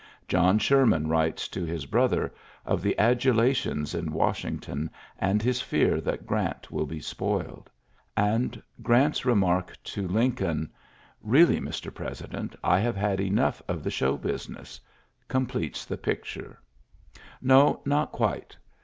John Sherman writes to his brother of the adulations in Washington, and his fear that Grant will be spoiled. And Grant's remark to Lincoln, ^^Beally, iiorary ^^i ^1 e^ 100 ULYSSES S. GEANT Mr. President, I have had enough oi show business/' completes the pict Ko, not quite.